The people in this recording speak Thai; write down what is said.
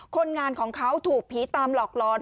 คนงานของเขาถูกผีตามหลอกลอน